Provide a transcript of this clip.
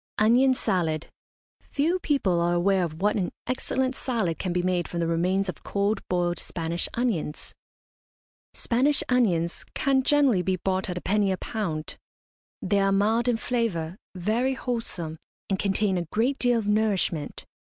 ONION SALAD. Few people are aware of what an excellent salad can be made from the remains of cold boiled Spanish onions. Spanish onions can generally be bought at a penny a pound. They are mild in flavour, very wholesome, and contain a great deal of nourishment.